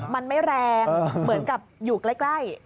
มันไม่แรงเหมือนกับอยู่ใกล้